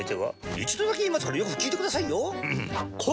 一度だけ言いますからよく聞いてくださいよ。